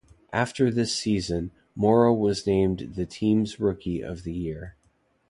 After this season, Morrow was named the team's Rookie of the Year.